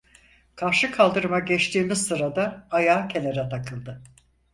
Karşı kaldırıma geçtiğimiz sırada ayağı kenara takıldı.